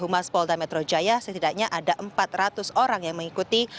humas polda metro jaya setidaknya ada empat ratus orang yang mengikuti